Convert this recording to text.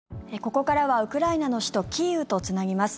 ここからはウクライナの首都キーウとつなぎます。